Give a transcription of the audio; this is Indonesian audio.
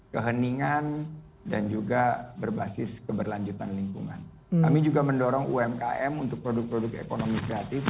kami juga mendorong umkm untuk produk produk ekonomi kreatif